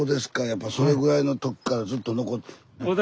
やっぱそれぐらいの時からずっと残ってる。